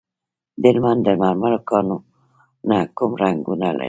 د هلمند د مرمرو کانونه کوم رنګونه لري؟